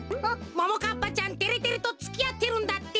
ももかっぱちゃんてれてれとつきあってるんだって？